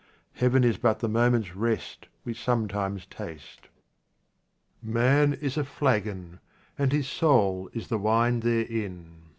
Heaven is but the moment's rest we sometimes taste. Man is a flagon and his soul is the wine there in.